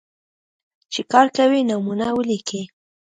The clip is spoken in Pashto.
چې کار کوي، نومونه ولیکئ.